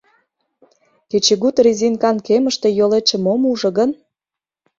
Кечыгут резинкан кемыште йолетше мом ужо гын?